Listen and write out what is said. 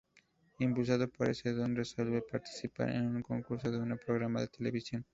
Impulsado por ese don, resuelve participar en un concurso de un programa de televisión.